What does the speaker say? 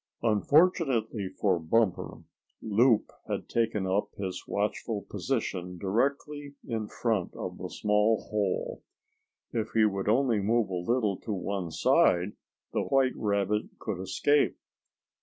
Unfortunately for Bumper, Loup had taken up his watchful position directly in front of the small hole. If he would only move a little to one side, the white rabbit could escape.